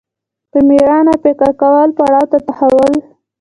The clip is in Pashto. په مېړانه فکر کولو پړاو ته تحول